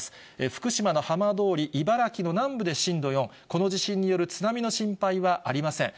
福島の浜通り、茨城の南部で震度４、この地震による津波の心配はありません。